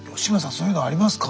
そういうのはありますか？